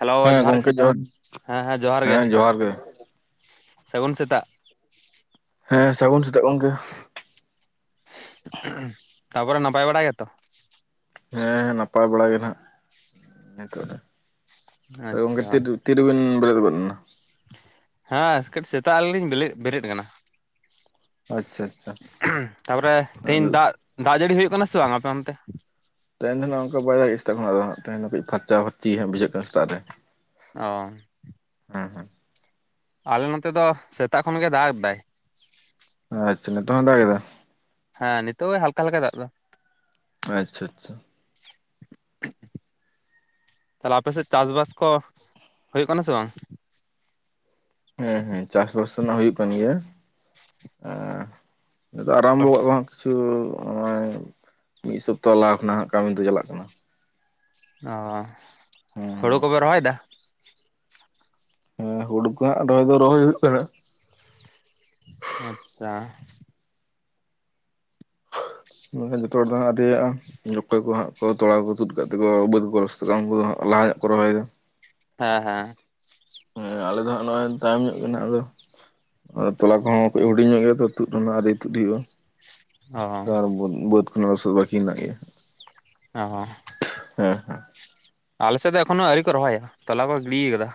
Hello ᱦᱮᱸ ᱡᱚᱦᱟᱨ ᱜᱚᱝᱠᱮ ᱡᱚᱦᱟᱸᱨ ᱦᱮᱸ ᱡᱚᱦᱟᱨ ᱜᱮ ᱦᱮᱸ ᱡᱚᱦᱟᱸᱨ ᱜᱮ ᱥᱟᱹᱜᱩᱱ ᱥᱮᱛᱟᱜ ᱦᱮᱸ ᱥᱟᱹᱜᱩᱱ ᱥᱮᱛᱟᱜ ᱜᱚᱢᱠᱮ ᱛᱟᱯᱚᱨᱮ ᱱᱟᱯᱟᱭ ᱵᱟᱲᱟ ᱜᱮᱛᱚ ᱦᱮᱸ ᱦᱮᱸ ᱱᱟᱯᱟᱭ ᱵᱟᱲᱟ ᱜᱮ ᱱᱟᱜ ᱱᱤᱛᱚᱜ ᱫᱚ ᱛᱚ ᱜᱚᱝᱠᱮ ᱟᱪᱪᱷᱟ ᱛᱤᱨ ᱛᱤᱨᱤᱵᱤᱱ ᱵᱮᱨᱮᱫ ᱜᱚᱫᱽᱱᱟ ᱦᱮᱸ ᱠᱟᱹᱴᱤᱡ ᱥᱮᱛᱟᱜ ᱨᱮᱞᱤᱧ ᱵᱮᱞᱮᱫ ᱵᱮᱨᱮᱫ ᱠᱟᱱᱟ ᱟᱪᱪᱷᱟ ᱟᱪᱪᱷᱟ ᱛᱟᱯᱚᱨᱮ ᱛᱮᱦᱮᱧ ᱛᱮᱦᱤᱧ ᱫᱟᱜ ᱫᱟᱜ ᱡᱟᱹᱲᱤ ᱦᱩᱭᱩᱜ ᱠᱟᱱᱟ ᱥᱮ ᱵᱟᱝ ᱟᱯᱮ ᱚᱱᱛᱮ ᱛᱮᱦᱮᱱ ᱫᱚ ᱱᱟᱸᱜ ᱚᱝᱠᱟ [unintelligible] ᱥᱮᱛᱟᱜ ᱠᱷᱳᱱᱟᱜ ᱫᱚ ᱦᱟᱸᱜ ᱛᱮᱦᱮᱧ ᱫᱚ ᱠᱤᱡ ᱯᱷᱟᱨᱪᱟ ᱠᱟᱭᱟᱭ ᱪᱤ ᱦᱟᱸᱜ ᱵᱩᱡᱷᱟᱹᱜ ᱠᱟᱱ ᱥᱮᱛᱟᱜ ᱨᱮ ᱚ ᱦᱮᱸ ᱦᱮᱸ ᱟᱞᱮ ᱱᱚᱸᱛᱮ ᱫᱚ ᱥᱮᱛᱟᱜ ᱠᱷᱚᱱ ᱜᱮ ᱫᱟᱜ ᱮᱫᱟᱭ ᱟᱪᱪᱷᱟ ᱱᱤᱛᱚᱜ ᱦᱚᱸ ᱫᱟᱜ ᱮᱫᱟ ᱦᱮᱸ ᱱᱤᱛᱚᱜ ᱮ ᱦᱟᱞᱠᱟ ᱦᱟᱞᱠᱟᱭ ᱫᱟᱜ ᱮᱫᱟ ᱟᱪᱪᱷᱟ ᱟᱪᱪᱷᱟ ᱛᱟᱦᱚᱞᱮ ᱟᱯᱮ ᱥᱮᱜ ᱪᱟᱥ ᱵᱟᱥ ᱠᱚ ᱦᱳᱭᱳᱜ ᱠᱟᱱᱟ ᱥᱮ ᱵᱟᱝ ᱦᱮᱸ ᱦᱮᱸ ᱪᱟᱥ ᱵᱟᱥ ᱱᱟᱜ ᱦᱩᱭᱩᱜ ᱠᱟᱱ ᱜᱮᱭᱟ ᱱᱤᱛᱚᱜ ᱟᱨᱟᱢᱵᱚ ᱠᱚᱜ ᱠᱚ ᱦᱟᱸᱜ ᱠᱤᱪᱷᱩ ᱚᱸᱜᱼᱚᱭ ᱢᱤᱫ ᱥᱚᱯᱛᱟᱦᱚ ᱞᱟᱦᱟ ᱠᱷᱚᱱᱟᱜ ᱦᱟᱸᱜ ᱠᱟᱹᱢᱤ ᱫᱚ ᱪᱟᱞᱟᱜ ᱠᱟᱱᱟ ᱚ ᱦᱳᱲᱳ ᱦᱮᱸ ᱠᱚᱵᱮ ᱨᱚᱦᱚᱭ ᱫᱟ ᱦᱮᱸ ᱦᱩᱲᱩ ᱠᱚ ᱦᱟᱸᱜ ᱨᱚᱦᱚᱭ ᱫᱚ ᱨᱚᱦᱚᱭ ᱦᱩᱭᱩᱜ ᱠᱟᱱᱟ ᱟᱪᱪᱷᱟ ᱢᱮᱱᱠᱷᱟᱱ ᱡᱚᱛᱚ ᱦᱚᱲ ᱫᱚ ᱦᱟᱸᱜ ᱟᱣᱨᱤᱭᱟᱜᱼᱟ ᱚᱠᱚᱭ ᱠᱚ ᱦᱟᱸᱜ ᱠᱚ ᱛᱚᱲᱟ ᱠᱚᱠᱚ ᱛᱩᱫ ᱠᱟᱜ ᱛᱮᱠᱚ ᱵᱟᱹᱫ ᱠᱚᱠᱚ ᱞᱚᱥᱚᱫᱟ ᱩᱱᱠᱩ ᱫᱚ ᱦᱟᱸᱜ ᱞᱟᱦᱟ ᱧᱚᱜ ᱠᱚ ᱨᱚᱦᱚᱭᱮᱫᱟ ᱦᱮᱸ ᱦᱮᱸ ᱦᱮᱸ ᱟᱞᱮ ᱫᱚ ᱦᱟᱸᱜ ᱱᱚᱜᱼᱚᱭ ᱛᱟᱭᱚᱢ ᱧᱚᱜ ᱠᱟᱱᱟ ᱟᱫᱚ ᱟᱨ ᱛᱚᱞᱟ ᱠᱚᱦᱚᱸ ᱠᱟᱹᱡ ᱦᱩᱰᱤᱧ ᱧᱚᱜ ᱜᱮᱭᱟ ᱛᱚ ᱛᱩᱫ ᱨᱮᱱᱟᱜ ᱟᱨ [unintelligible] ᱟᱣᱨᱤ ᱛᱩᱫ ᱦᱩᱭᱩᱜᱼᱟ ᱛᱚ ᱟᱨ ᱚ ᱵᱟᱹᱫ ᱵᱟᱹᱫ ᱠᱷᱚᱱᱟ ᱞᱚᱥᱚᱫ ᱵᱟᱹᱠᱤ ᱢᱮᱱᱟᱜ ᱜᱮᱭᱟ ᱚ ᱦᱮᱸ ᱦᱮᱸ ᱟᱞᱮ ᱥᱮᱫ ᱫᱚ ᱮᱠᱷᱚᱱᱳ ᱟᱹᱣᱨᱤ ᱠᱚ ᱨᱚᱦᱚᱭᱟ ᱛᱟᱞᱟ ᱠᱚ ᱜᱤᱰᱤᱠᱟᱫᱟ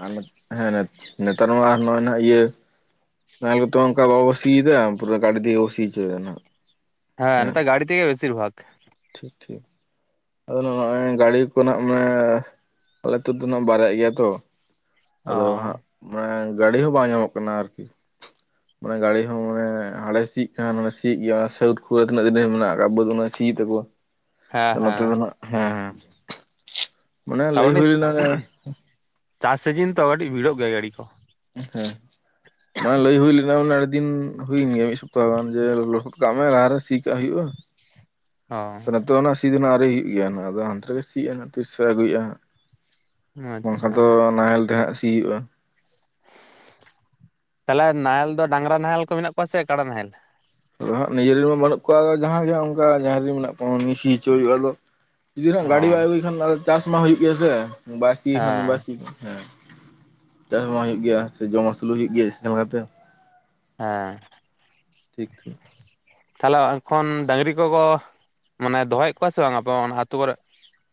ᱦᱮᱸ ᱟᱨ ᱦᱮᱸ ᱱᱮᱛᱟᱨ ᱢᱟ ᱱᱚᱜᱼᱚᱭ ᱱᱟᱸᱜ ᱤᱭᱟᱹ ᱱᱟᱦᱮᱞ ᱠᱚᱛᱚ ᱚᱝᱠᱟ ᱵᱟᱠᱚ ᱥᱤᱭᱮᱫᱟ ᱯᱩᱨᱟᱹ ᱜᱟᱹᱰᱤ ᱛᱮᱜᱮ ᱠᱚ ᱥᱤ ᱪᱳᱭᱫᱟ ᱱᱟᱸᱜ ᱦᱮᱸ ᱱᱮᱛᱟᱨ ᱜᱟᱹᱰᱤ ᱛᱮᱜᱮ ᱵᱮᱥᱤᱨ ᱵᱷᱟᱜ ᱴᱷᱤᱠ ᱴᱷᱤᱠ ᱟᱫᱚ ᱱᱚᱜᱼᱚᱭ ᱜᱟᱹᱲᱤ ᱠᱚᱱᱟᱜ ᱢᱟᱱᱮ ᱟᱞᱮ ᱟᱹᱛᱩ ᱫᱚ ᱱᱟᱜ ᱵᱟᱨᱭᱟᱜ ᱜᱮᱭᱟ ᱛᱚ ᱚ ᱟᱫᱚ ᱦᱟᱸᱜ ᱢᱟᱱᱮ ᱜᱟᱹᱰᱤ ᱦᱚᱸ ᱵᱟᱝ ᱧᱟᱢᱚᱜ ᱠᱟᱱᱟ ᱟᱨᱠᱤ ᱢᱟᱱᱮ ᱜᱟᱹᱲᱤ ᱦᱚᱸ ᱢᱟᱱᱮ ᱦᱟᱲᱮᱭ ᱥᱤᱜ ᱠᱷᱟᱱ ᱦᱟᱱᱮᱭ ᱥᱤᱭᱮᱜ ᱜᱮᱭᱟ ᱥᱟᱹᱩᱫ ᱠᱚᱨᱮ ᱛᱤᱱᱟᱹᱜ ᱫᱤᱱᱮᱢ ᱢᱮᱱᱟᱜ ᱟᱠᱟᱜ ᱵᱟᱹᱫ ᱩᱱᱟᱹᱜ ᱮ ᱥᱤ ᱦᱮᱸ [unintelligible] ᱱᱚᱛᱮ ᱦᱮᱸ ᱫᱚ ᱱᱟᱜ ᱦᱮᱸ ᱦᱮᱸ ᱢᱟᱱᱮ ᱞᱟᱹᱭ ᱛᱟᱯᱚᱨᱮ ᱦᱩᱭ ᱞᱮᱱᱟ ᱱᱮ ᱪᱟᱥ ᱥᱤᱡᱤᱱ ᱛᱚ ᱠᱟᱹᱴᱤᱡ ᱵᱷᱤᱲᱚᱜ ᱜᱮᱭᱟ ᱜᱟᱹᱰᱤ ᱠᱚ ᱦᱮᱸ ᱢᱟᱱᱮ ᱞᱟᱹᱭ ᱦᱩᱭ ᱞᱮᱱᱟ ᱢᱟᱱᱮ ᱟᱹᱰᱤ ᱫᱤᱱ ᱦᱩᱭᱮᱱ ᱜᱮᱭᱟ ᱢᱤᱫ ᱥᱚᱯᱛᱟᱦᱚ ᱜᱟᱱ ᱜᱮ ᱞᱚᱥᱚᱫ ᱠᱟᱜ ᱢᱮ ᱞᱟᱦᱟᱨᱮ ᱥᱤ ᱠᱟᱜ ᱦᱩᱭᱩᱜᱼᱟ ᱚ ᱱᱤᱛᱚᱜ ᱱᱟᱜ ᱥᱤ ᱫᱚ ᱱᱟᱜ ᱟᱣᱨᱤ ᱦᱩᱭᱩᱜ ᱜᱮᱭᱟ ᱱᱟᱜ ᱟᱫᱚ ᱦᱟᱱᱛᱮ ᱨᱮᱜᱮ ᱥᱤᱭᱮᱜᱼᱟᱭ ᱦᱟᱸᱜ ᱛᱤᱥᱮ ᱟᱹᱜᱩᱭᱼᱟ ᱦᱟᱸᱜ ᱟᱪᱪᱷᱟ ᱵᱟᱝᱠᱷᱟᱱ ᱫᱚ ᱱᱟᱦᱮᱞ ᱛᱮ ᱦᱟᱸᱜ ᱥᱤ ᱦᱩᱭᱩᱜᱼᱟ ᱛᱟᱦᱚᱞᱮ ᱱᱟᱦᱮᱞ ᱫᱚ ᱰᱟᱝᱨᱟ ᱱᱟᱦᱮᱞ ᱠᱚ ᱢᱮᱱᱟᱜ ᱠᱚᱣᱟ ᱥᱮ ᱠᱟᱰᱟ ᱱᱟᱦᱮᱞ? ᱟᱫᱚ ᱦᱟᱸᱜ ᱱᱤᱡᱮᱨᱮᱢᱟ ᱵᱟᱹᱱᱩᱜ ᱠᱚᱣᱟ ᱟᱫᱚ ᱡᱟᱦᱟᱸ ᱜᱮ ᱚᱱᱠᱟ ᱡᱟᱦᱟ ᱨᱮ ᱢᱮᱱᱟᱜ ᱠᱚᱣᱟ ᱥᱤ ᱦᱚᱪᱚ ᱦᱩᱭᱩᱜᱼᱟ ᱟᱫᱚ᱾ ᱡᱩᱫᱤ ᱱᱟᱜ ᱚ ᱜᱟᱹᱰᱤ ᱦᱮᱸ ᱵᱟᱭ ᱟᱹᱜᱩᱭ ᱠᱷᱟᱱ ᱪᱟᱥ ᱢᱟ ᱦᱩᱭᱩᱜ ᱜᱮᱭᱟ ᱥᱮ ᱵᱟᱭ ᱥᱤᱭ ᱠᱷᱟᱱ ᱵᱟᱭ ᱥᱤ ᱦᱮᱸ ᱪᱟᱥ ᱢᱟ ᱦᱩᱭᱩᱜ ᱜᱮᱭᱟ ᱥᱮ ᱡᱚᱢ ᱟᱹᱥᱩᱞᱩ ᱦᱩᱭᱩᱜ ᱜᱮᱭᱟ ᱡᱟᱦᱟ ᱞᱮᱠᱟᱛᱮ᱾ ᱦᱮᱸ ᱴᱷᱤᱠ ᱴᱷᱤᱠ ᱛᱟᱦᱚᱞᱮ ᱮᱠᱷᱚᱱ ᱰᱟᱹᱝᱨᱤ ᱠᱚᱠᱚ ᱢᱟᱱᱮ ᱫᱚᱦᱚᱭᱮᱫ ᱠᱚᱣᱟ ᱥᱮ ᱵᱟᱝ ᱟᱯᱮ ᱚᱱᱟ ᱟᱹᱛᱩ ᱠᱚᱨᱮᱫ?